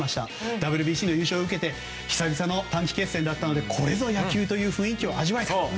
ＷＢＣの優勝を受けて久々の短期決戦だったのでこれぞ野球という雰囲気を味わえた。